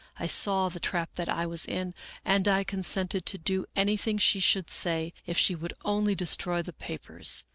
I saw the trap that I was in and I consented to do anything she should say if she would only destroy the papers.